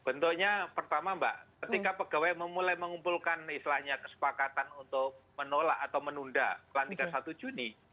bentuknya pertama mbak ketika pegawai memulai mengumpulkan istilahnya kesepakatan untuk menolak atau menunda pelantikan satu juni